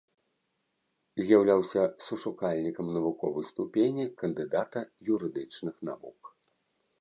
З'яўляўся сушукальнікам навуковай ступені кандыдата юрыдычных навук.